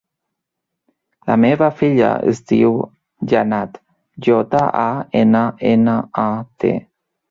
La meva filla es diu Jannat: jota, a, ena, ena, a, te.